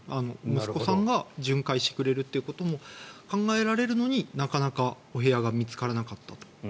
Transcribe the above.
息子さんが巡回してくれるということも考えられるのになかなかお部屋が見つからなかったと。